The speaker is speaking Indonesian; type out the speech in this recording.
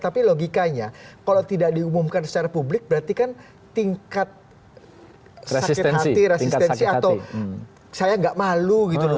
tapi logikanya kalau tidak diumumkan secara publik berarti kan tingkat sakit hati resistensi atau saya nggak malu gitu loh